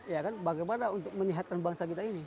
ya kan bagaimana untuk menyehatkan bangsa kita ini